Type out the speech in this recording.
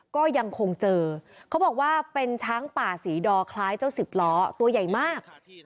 ก็ยังคงเจอเขาบอกว่าเป็นช้างป่าสีดอคล้ายเจ้าสิบล้อตัวใหญ่มาก